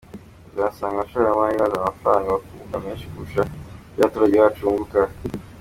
Uzasanga abashoramari bazana amafaranga, bakunguka menshi kurusha ibyo abaturage bacu bunguka.